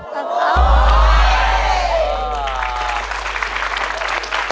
๑ล้านบาท